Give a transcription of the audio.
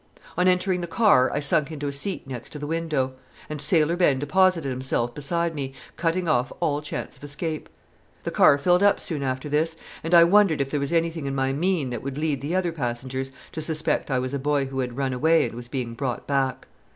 On entering the car I sunk into a seat next the window, and Sailor Ben deposited himself beside me, cutting off all chance of escape. The car filled up soon after this, and I wondered if there was anything in my mien that would lead the other passengers to suspect I was a boy who had run away and was being brought back.